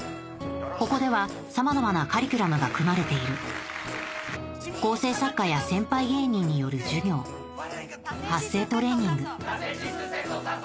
ここではさまざまなカリキュラムが組まれている構成作家や先輩芸人による授業発声トレーニングさせしすせそさそ！